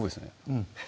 「うん」